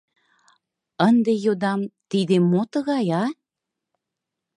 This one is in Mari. Ынде йодам: тиде мо тыгай, а?